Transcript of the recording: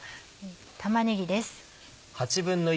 玉ねぎです。